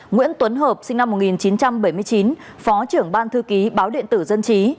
nguyễn tuấn hợp sinh năm một nghìn chín trăm bảy mươi chín phó trưởng ban thư ký báo điện tử dân trí